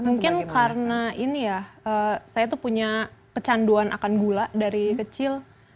mungkin karena ini ya saya tuh punya kecanduan akan gula dari kecil